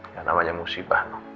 ya namanya musibah